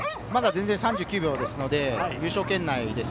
３９秒ですので優勝圏内です。